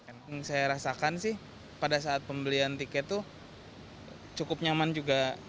yang saya rasakan sih pada saat pembelian tiket tuh cukup nyaman juga